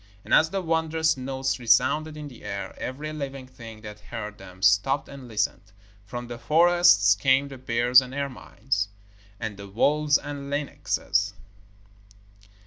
And as the wondrous notes resounded in the air, every living thing that heard them stopped and listened. From the forests came the bears and ermines, and the wolves and lynxes.